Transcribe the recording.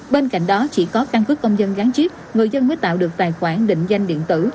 bên cạnh đó chỉ có căn cứ công dân gắn chip người dân mới tạo được tài khoản định danh điện tử